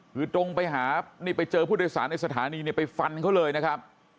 คือตรงไปหานี่ไปเจอผู้โดยสารในสถานีเนี่ยไปฟันเขาเลยนะครับ